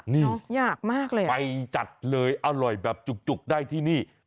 นี่ไปจัดเลยอร่อยแบบจุกได้ที่นี่อยากมากเลย